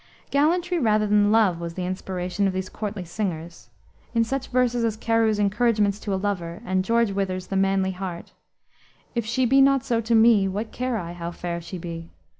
Gallantry rather than love was the inspiration of these courtly singers. In such verses as Carew's Encouragements to a Lover, and George Wither's The Manly Heart "If she be not so to me, What care I how fair she be?"